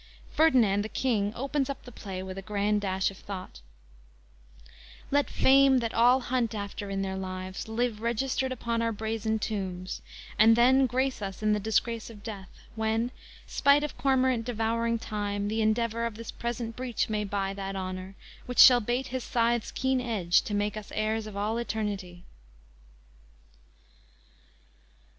Ferdinand, the King, opens up the play with a grand dash of thought: _"Let fame that all hunt after in their lives, Live registered upon our brazen tombs, And then grace us in the disgrace of death, When, spite of cormorant devouring time, The endeavor of this present breach may buy That honor, which shall bait his scythe's keen edge To make us heirs of all eternity."